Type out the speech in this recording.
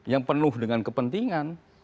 yang penuh dengan kepentingan